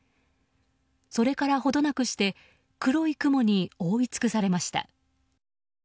それから程なくして黒い雲に覆い尽くされました。